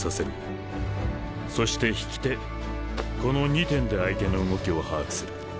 そして引き手この２点で相手の動きを把握する。